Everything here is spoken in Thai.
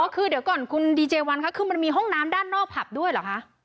อ๋อคือเดี๋ยวก่อนคุณดีเจวันมันน้ำด้านนอกหัวคับด้วยรอ